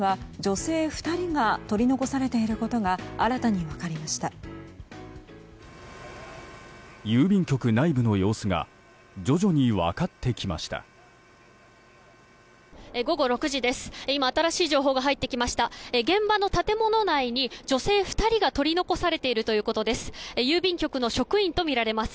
現場の建物内に女性２人が取り残されているということです。